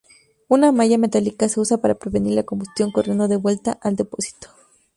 Una malla metálica se usa para prevenir la combustión corriendo de vuelta al depósito.